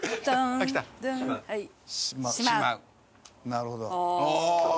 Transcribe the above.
なるほど。